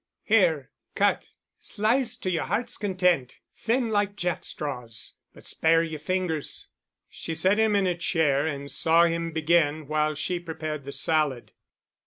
"Here. Cut. Slice to your heart's content, thin—like jack straws. But spare your fingers." She sat him in a chair and saw him begin while she prepared the salad.